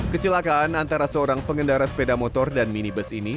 kecelakaan antara seorang pengendara sepeda motor dan minibus ini